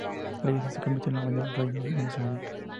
La iglesia se convirtió en la mayor del reino en ese momento.